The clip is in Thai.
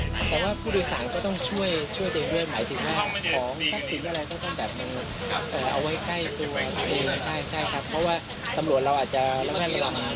ไม่รอดถือ